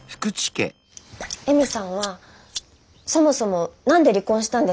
恵美さんはそもそもなんで離婚したんですか？